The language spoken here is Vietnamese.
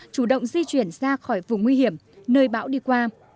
chủ động di chuyển ra khỏi vùng nguy hiểm nơi bão đi qua